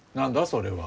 それは。